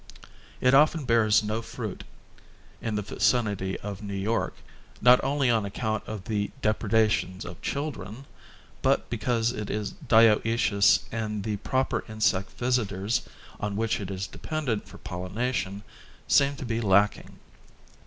It often bears no fruit in the vicinity of New York, not only on account of the depreda tions of children, but because it is dioecious and the proper insect visitors, on which it is dependent for pollination, seem to be lacking.